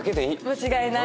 間違いない！